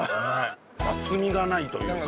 雑味がないというか。